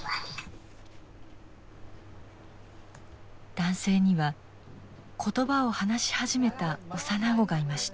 男性には言葉を話し始めた幼子がいました。